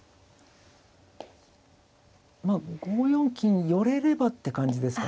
まあ５四金寄れればって感じですか。